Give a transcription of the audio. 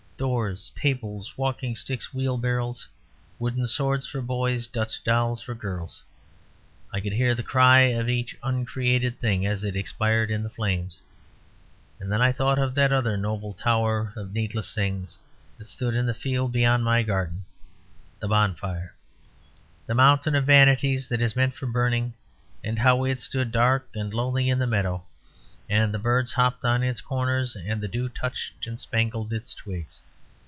Doors, tables, walking sticks, wheelbarrows, wooden swords for boys, Dutch dolls for girls I could hear the cry of each uncreated thing as it expired in the flames. And then I thought of that other noble tower of needless things that stood in the field beyond my garden; the bonfire, the mountain of vanities, that is meant for burning; and how it stood dark and lonely in the meadow, and the birds hopped on its corners and the dew touched and spangled its twigs.